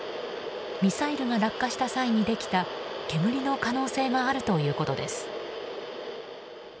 ミサイルが落下した際にできた煙の可能性があるということです。